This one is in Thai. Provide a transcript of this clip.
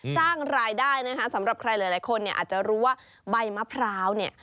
สร้างรายได้นะคะสำหรับใครหลายคนเนี่ยอาจจะรู้ว่าใบมะพร้าวเนี่ย